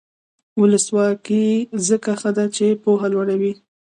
ولسواکي ځکه ښه ده چې پوهه لوړوي.